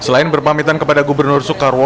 gus ipul juga berpamitan kepada gubernur soekarwo